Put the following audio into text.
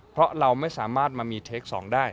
เพราะเราไม่สามารถมามีเทค๒ได้